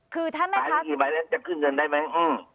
คือถ้าแม่คะครับขายไปกี่ใบแล้วจะขึ้นอเงินได้ไหม